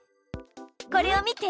これを見て！